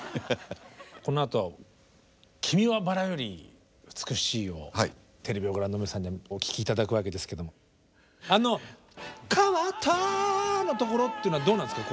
このあと「君は薔薇より美しい」をテレビをご覧の皆さんにお聴き頂くわけですけどもあの「変わった」のところというのはどうなんですか？